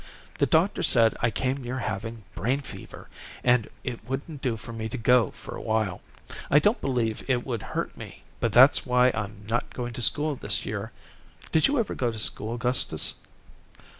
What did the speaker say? The doctor said I came near having brain fever, and it wouldn't do for me to go for awhile. I don't believe it would hurt me, but that's why I'm not going to school this year. Did you ever go to school, Gustus?"